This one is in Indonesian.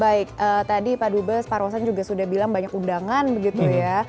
baik tadi pak dubes pak rosan juga sudah bilang banyak undangan begitu ya